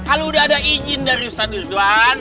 kalo udah ada izin dari ustadz ustaz